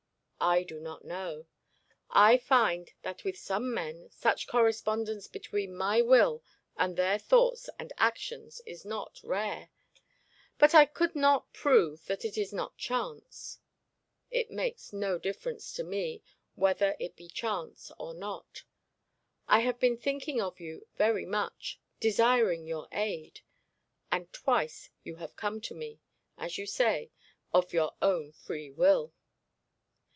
'I do not know; I find that with some men such correspondence between my will and their thoughts and actions is not rare; but I could not prove that it is not chance. It makes no difference to me whether it be chance or not. I have been thinking of you very much, desiring your aid, and twice you have come to me as you say of your own free will.'